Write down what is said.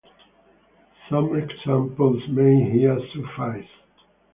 Some examples may here suffice.